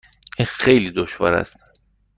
این خیلی دشوار است.